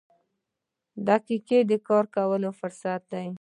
• دقیقه د کار کولو فرصت دی.